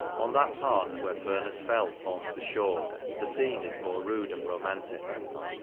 On that part where Furnefs Fell forms the more, the icene is more rude and romantic.